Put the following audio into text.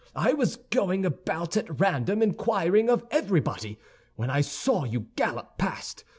I was going about at random, inquiring of everybody, when I saw you gallop past.